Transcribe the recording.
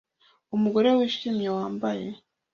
Umugore wishimye wambaye